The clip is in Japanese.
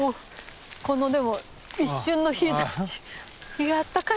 このでも一瞬の日ざし日があったかい。